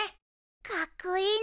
かっこいいなあ。